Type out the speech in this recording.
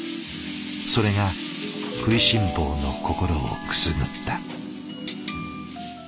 それが食いしん坊の心をくすぐった。